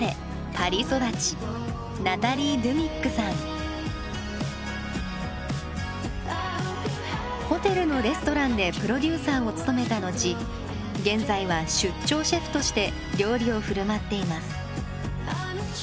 パリ育ちホテルのレストランでプロデューサーを務めた後現在は出張シェフとして料理をふるまっています。